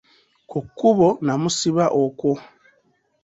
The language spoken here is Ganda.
Ku kkubo namusiba okwo.